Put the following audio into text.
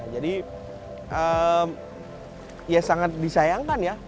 jadi ya sangat disayangkan ya